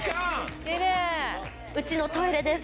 うちのトイレです。